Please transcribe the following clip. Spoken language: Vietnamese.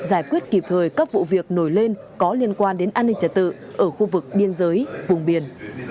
giải quyết kịp thời các vụ việc nổi lên có liên quan đến an ninh trật tự ở khu vực biên giới vùng biển